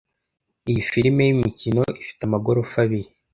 Iyi firime yimikino ifite amagorofa abiri.